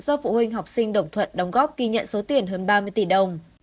do phụ huynh học sinh đồng thuận đóng góp ghi nhận số tiền hơn ba mươi tỷ đồng